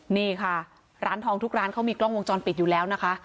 นี่ค่ะร้านทองทุกร้านเขามีกล้องวงจรปิดอยู่แล้วนะคะ